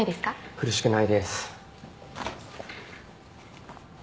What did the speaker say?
苦しくないです。